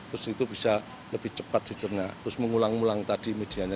terus itu bisa lebih cepat dicerna terus mengulang ulang tadi medianya